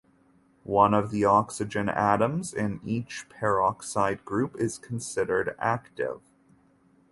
One of the oxygen atoms in each peroxide group is considered "active".